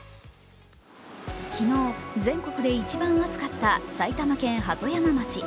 昨日、全国で一番暑かった埼玉県鳩山町。